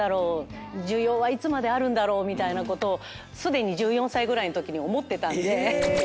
需要はいつまであるんだろうみたいなことをすでに１４歳ぐらいのときに思ってたんで。